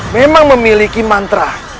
memang memiliki mantra